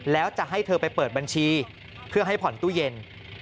แล้วจะให้เธอไปเปิดบัญชีเพื่อให้ผ่อนตู้เย็น